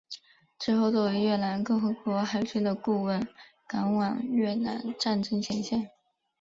之后作为越南共和国海军的顾问赶往越南战争前线。